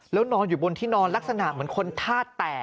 แล้วนอนอยู่บนที่นอนลักษณะเหมือนคนธาตุแตก